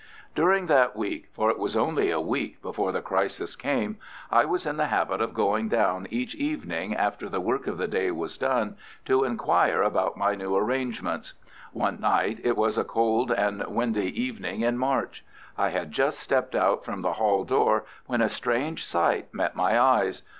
During that week—for it was only a week before the crisis came—I was in the habit of going down each evening, after the work of the day was done, to inquire about my new arrangements. One night, it was a cold and windy evening in March, I had just stepped out from the hall door when a strange sight met my eyes.